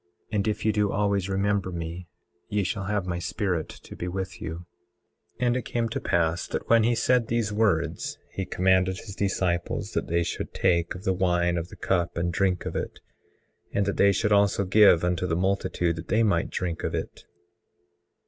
And if ye do always remember me ye shall have my Spirit to be with you. 18:8 And it came to pass that when he said these words, he commanded his disciples that they should take of the wine of the cup and drink of it, and that they should also give unto the multitude that they might drink of it.